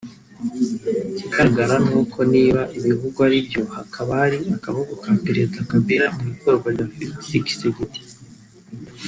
Ikigaragara n’uko niba ibivugwa ari byo hakaba hari akaboko ka Perezida Kabila mu itorwa rya Félix Tshisekedi